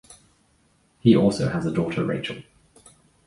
He also has a daughter Rachel.